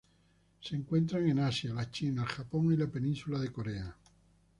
Se encuentran en Asia: la China, el Japón y la Península de Corea.